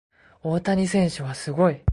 大谷選手はすごい。